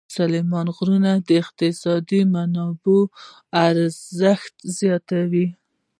سلیمان غر د اقتصادي منابعو ارزښت زیاتوي.